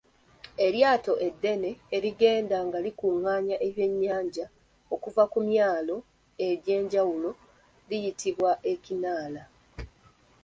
Eryato eddene erigenda nga likungaanya ebyennyanja okuva ku myalo egy’enjawulo liyitibwa Ekinaala.